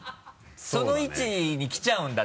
その位置に来ちゃうんだ？